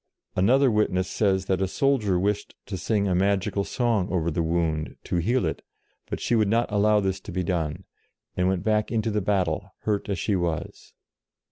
Another witness says that a soldier wished to sing a magical song over the wound, to heal it, but she would not allow this to be done, and went back into the battle, hurt as she was.